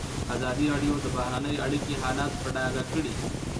ازادي راډیو د بهرنۍ اړیکې حالت په ډاګه کړی.